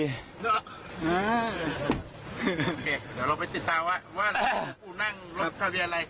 เดี๋ยวเราไปติดตามว่าว่ากูนั่งรถทะเบียนอะไร